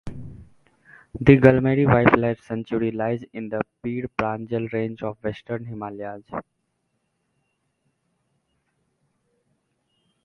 The Gulmarg Wildlife Sanctuary lies in the Pir Panjal Range of the Western Himalayas.